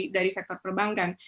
dari sektor perbankan